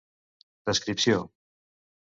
Descripció: